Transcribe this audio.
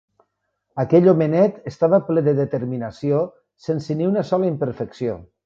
Aquell homenet estava ple de determinació, sense ni una sola imperfecció.